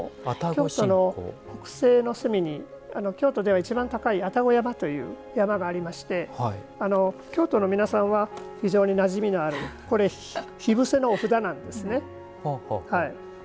京都の北西の隅に京都では一番高い愛宕山という山がありまして京都の皆さんは非常になじみのある火伏せのお札なんですね。